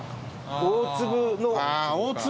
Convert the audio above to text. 大粒の。